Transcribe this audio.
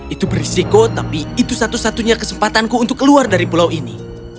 itu berisiko tapi itu satu satunya kesempatanku untuk keluar dari pulau ini